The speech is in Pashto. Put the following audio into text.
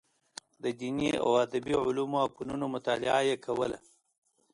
د دیني او ادبي علومو او فنونو مطالعه یې کوله.